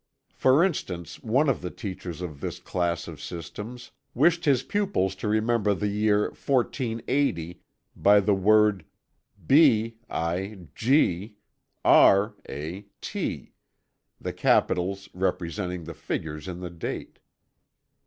For instance, one of the teachers of this class of systems, wished his pupils to remember the year 1480 by the word "BiG RaT," the capitals representing the figures in the date.